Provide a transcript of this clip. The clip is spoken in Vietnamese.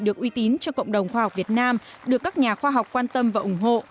được uy tín cho cộng đồng khoa học việt nam được các nhà khoa học quan tâm và ủng hộ